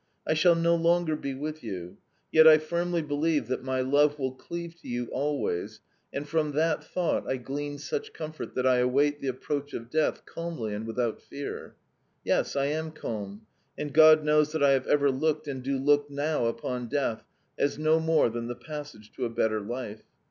I shall no longer be with you, yet I firmly believe that my love will cleave to you always, and from that thought I glean such comfort that I await the approach of death calmly and without fear. Yes, I am calm, and God knows that I have ever looked, and do look now, upon death as no more than the passage to a better life.